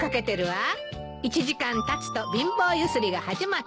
「１時間たつと貧乏揺すりが始まった」